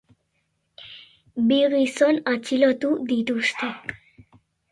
Bi gizon atxilotu dituzte.